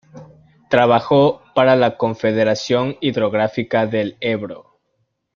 Trabajó para la Confederación Hidrográfica del Ebro.